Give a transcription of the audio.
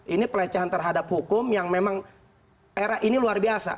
ini pelecehan terhadap hukum yang memang era ini luar biasa